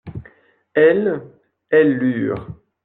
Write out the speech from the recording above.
Elles, elles lurent.